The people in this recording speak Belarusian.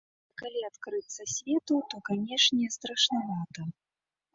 А калі адкрыцца свету, то, канечне, страшнавата.